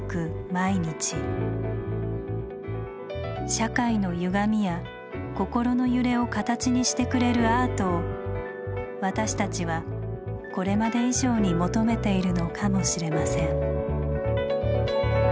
社会のゆがみや心の揺れを形にしてくれるアートを私たちはこれまで以上に求めているのかもしれません。